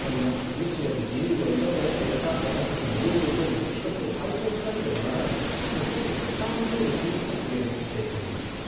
ロシアに自由が奪われた私たちの領土と人々を解放しなければならないと先月３０日に発言しております。